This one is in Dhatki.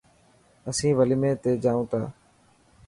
اسين وليمي تي جائون تا.